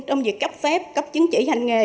trong việc cấp phép cấp chứng chỉ hành nghề